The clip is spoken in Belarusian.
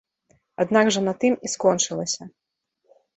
Аднак жа на тым і скончылася.